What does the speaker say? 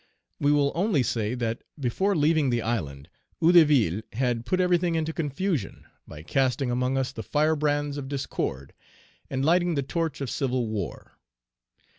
We will only say, that before leaving the island, Hédouville had put everything into confusion, by casting among us the firebrands of discord, and lighting the torch of civil war.